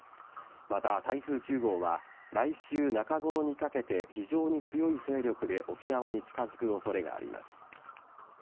また、台風９号は来週中ごろにかけて非常に強い勢力で沖縄に近づく恐れがあります。